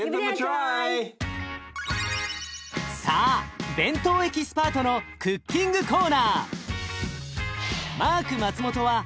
さあ弁当エキスパートのクッキングコーナー。